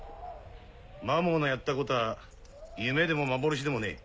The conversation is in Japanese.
マモーのやったこたぁ夢でも幻でもねえ。